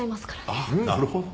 ああなるほど。